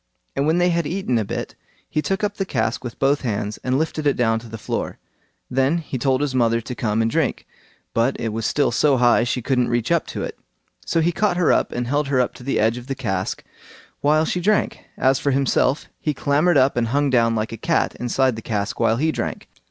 And when they had eaten a bit, he took up the cask with both hands, and lifted it down to the floor; then he told his mother to come and drink, but it was still so high she couldn't reach up to it; so he caught her up, and held her up to the edge of the cask while she drank; as for himself, he clambered up and hung down like a cat inside the cask while he drank.